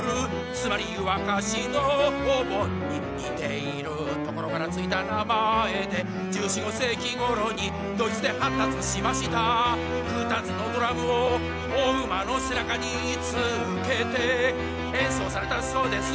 つまり湯沸かしのお盆に似ているところから付いた名前で１４１５世紀ごろにドイツで発達しました２つのドラムをお馬の背中につけて演奏されたそうです